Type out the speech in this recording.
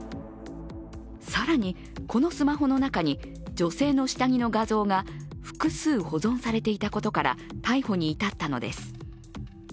更に、このスマホの中に女性の下着の画像が複数保存されていたことから逮捕に至ったのです。